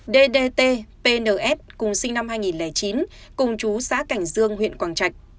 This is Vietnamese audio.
ddt pns cùng sinh năm hai nghìn chín cùng chú xã cảnh dương huyện quảng trạch